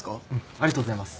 ありがとうございます。